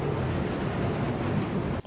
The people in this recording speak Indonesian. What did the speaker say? bagaimana cara berjalan dengan beban yang terbaik